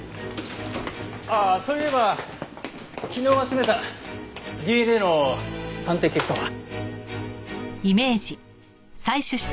ああそういえば昨日集めたＤＮＡの鑑定結果は？